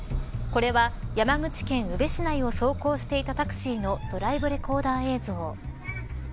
これは、山口県宇部市内を走行していたタクシーのドライブレコーダー映像。